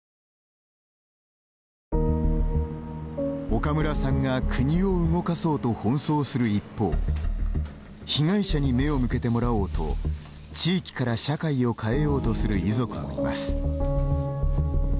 岡村さんが国を動かそうと奔走する一方被害者に目を向けてもらおうと地域から社会を変えようとする遺族もいます。